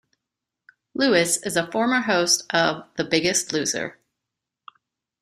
Lewis is a former host of "The Biggest Loser".